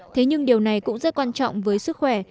thế nhưng điều này cũng rất quan trọng với sức khỏe